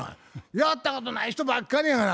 やったことない人ばっかりやがな。